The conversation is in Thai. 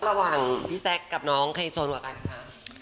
ระหว่างพี่แซคกับน้องไฮโซนกว่ากันคะ